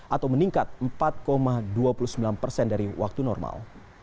atau meningkat empat dua puluh sembilan persen dari waktu normal